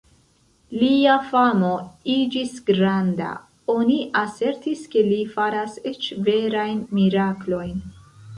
Lia famo iĝis granda; oni asertis ke li faras eĉ verajn miraklojn.